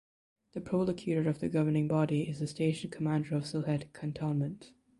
The prolocutor of the Governing Body is the station commander of Sylhet Cantonment.